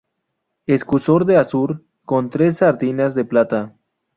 Escusón de azur, con tres sardinas de plata.